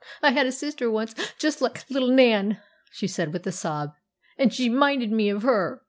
'I had a sister once, just like little Nan,' she said, with a sob, 'and she minded me of her.